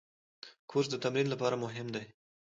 کورس د تمرین لپاره مهم دی.